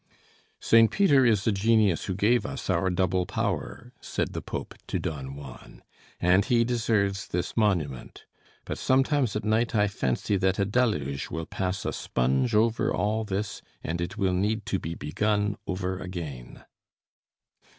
"St. Peter is the genius who gave us our double power," said the Pope to Don Juan, "and he deserves this monument. But sometimes at night I fancy that a deluge will pass a sponge over all this, and it will need to be begun over again."